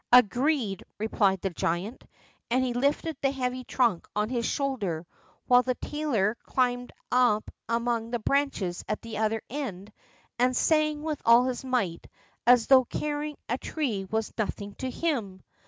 "Agreed," replied the giant, and he lifted the heavy trunk on to his shoulder, while the tailor climbed up among the branches at the other end, and sang with all his might, as though carrying a tree was nothing to him.